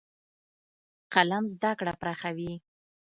قلم زده کړه پراخوي.